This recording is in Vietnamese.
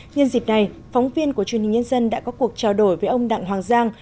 nhân dịp này phóng viên của truyền hình nhân dân đã có cuộc trao đổi với ông đặng hoàng giang